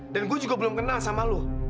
dan gue juga belum kenal sama lu